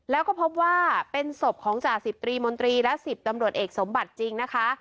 แล้วก็พบว่าเป็นศพของจ่าสิบตรีมนตรีและ๑๐ตำรวจเอกสมบัติจริงนะคะ